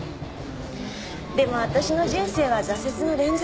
でも私の人生は挫折の連続。